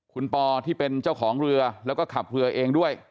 คุณปอที่เป็นเจ้าของเรือแล้วก็ขับเรือเองด้วย